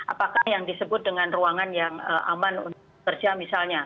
apakah yang disebut dengan ruangan yang aman untuk kerja misalnya